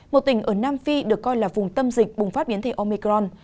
một tỉnh ở nam phi được coi là vùng tâm dịch bùng phát biến thể omicron